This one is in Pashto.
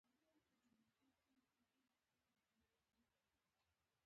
اوښ په دې فکر کې دی چې څنګه له خره څخه ډېر تېز شي.